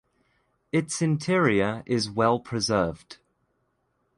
Its interior is well preserved.